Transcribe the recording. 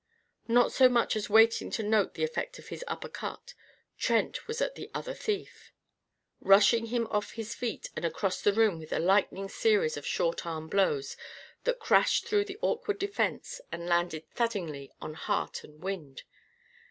Not so much as waiting to note the effect of his uppercut, Trent was at the other thief; rushing him off his feet and across the room with a lightning series of short arm blows that crashed through the awkward defence and landed thuddingly on heart and wind.